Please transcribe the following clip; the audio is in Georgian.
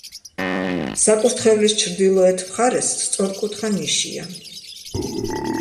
საკურთხევლის ჩრდილოეთ მხარეს სწორკუთხა ნიშია.